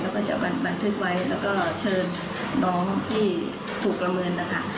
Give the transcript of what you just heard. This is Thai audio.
แล้วก็จะบันทึกไว้แล้วก็เชิญน้องที่ถูกประเมินนะคะ